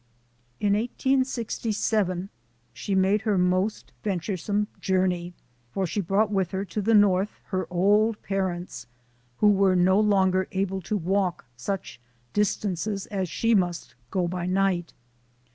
" In 1867 she made her most venturesome journey, for she brought with her to the North her old pa rents, who were no longer able to walk such dis tances as she must go by night.